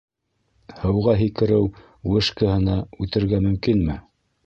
Һыуға һикереү вышкаһына үтергә мөмкинме?